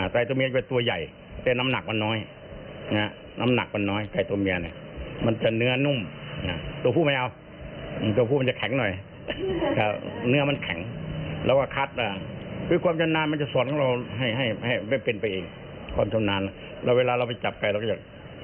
ช่วนอกดูเออขับเองเรากลำขนาดนี้มันจะกี่กิโลอะไรอย่างเนี้ย